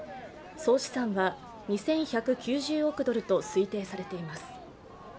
総資産は２１９０億ドルと推定されています。